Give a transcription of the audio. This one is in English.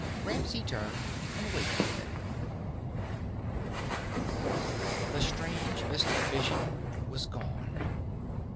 Ramsey turned and waited for them. The strange, mystic vision was gone.